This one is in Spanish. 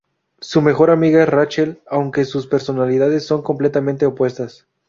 Su mejor amiga es Rachel, aunque sus personalidades son completamente opuestas.